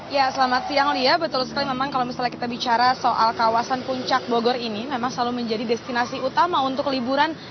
ya selamat siang lia betul sekali memang kalau misalnya kita bicara soal kawasan puncak bogor ini memang selalu menjadi destinasi utama untuk liburan